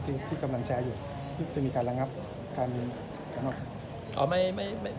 ที่กำลังแชร์อยู่ที่จะมีการระงับการอ๋อไม่ไม่